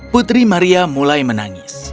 putri maria mulai menangis